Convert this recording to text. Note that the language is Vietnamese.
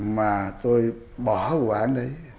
mà tôi bỏ vụ án đấy